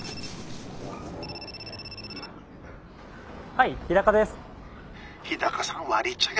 はい日です。